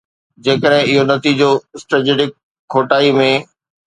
جيڪڏهن اهو نتيجو اسٽريٽجڪ کوٽائي ۾